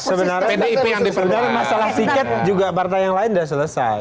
sebenarnya masalah tiket juga partai yang lain sudah selesai